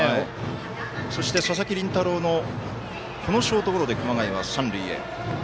そして、佐々木麟太郎のショートゴロで熊谷、三塁へ。